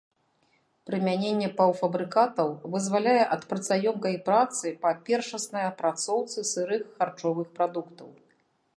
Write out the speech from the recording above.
Прымяненне паўфабрыкатаў вызваляе ад працаёмкай працы па першаснай апрацоўцы сырых харчовых прадуктаў.